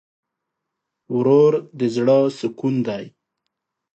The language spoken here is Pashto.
ورور د زړه سکون دی.